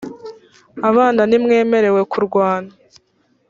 abana ntimwemerewe kurwana.